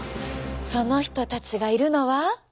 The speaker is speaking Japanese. その人たちがいるのは。